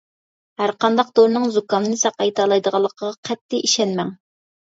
ھەرقانداق دورىنىڭ زۇكامنى ساقايتالايدىغانلىقىغا قەتئىي ئىشەنمەڭ!